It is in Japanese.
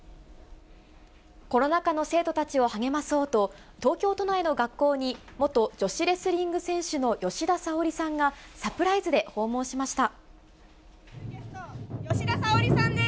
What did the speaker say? コロナ禍の生徒たちを励まそうと、東京都内の学校に、元女子レスリング選手の吉田沙保里さんがサプライズで訪問しました。